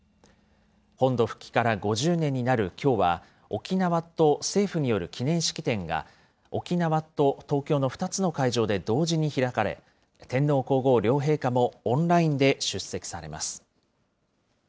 本土復帰から５０年になるきょうは、沖縄と政府による記念式典が、沖縄と東京の２つの会場で同時に開かれ、天皇皇后両陛下もオンラインで出席されます。